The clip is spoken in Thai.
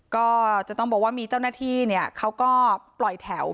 ก็จะต้องบอกว่ามีเจ้าหน้าที่เขาก็ปล่อยแถว